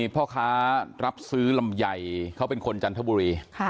พ่อค้ารับซื้อลำไยเขาเป็นคนจันทบุรี